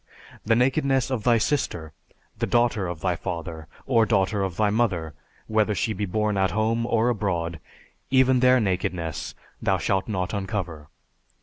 The nakedness of thy sister, the daughter of thy father, or daughter of thy mother, whether she be born at home, or abroad, even their nakedness thou shalt not uncover.